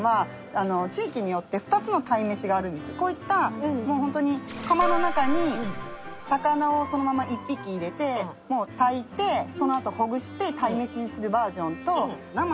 こういったもうホントに釜の中に魚をそのまま１匹入れて炊いてそのあとほぐして鯛めしにするバージョンと。